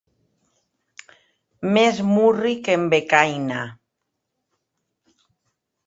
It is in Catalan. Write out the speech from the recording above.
Més murri que en Becaina.